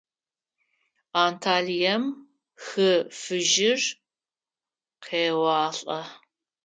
Анталием Хы Фыжьыр къеуалӏэ.